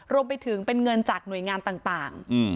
รวมไปถึงเป็นเงินจากหน่วยงานต่าง